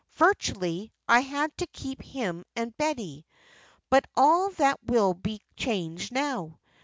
Virtually, I had to keep him and Betty. But all that will be changed now.